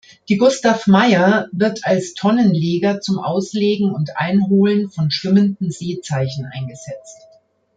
Die "Gustav Meyer" wird als Tonnenleger zum Auslegen und Einholen von schwimmenden Seezeichen eingesetzt.